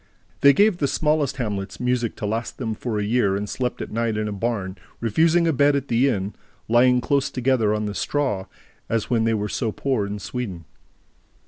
They gave the smallest hamlets music to last them for a year and slept at night in a barn, refusing a bed at the inn, lying close together on the straw, as when they were so poor in Sweden.